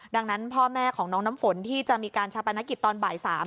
ดังนั้นพ่อแม่ของน้องน้ำฝนที่จะมีการชาปนกิจตอนบ่าย๓